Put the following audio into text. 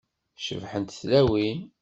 Cebḥent tlawin.